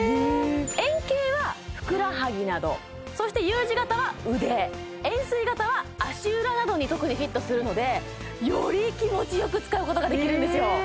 円形はふくらはぎなどそしてＵ字型は腕円錐型は足裏などに特にフィットするのでより気持ちよく使うことができるんですよへえ